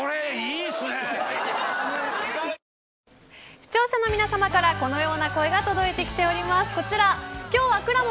視聴者の皆さまからこのような声が届いております。